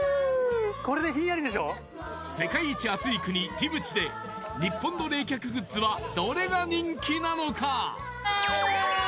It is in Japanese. ジブチで日本の冷却グッズはどれが人気なのか？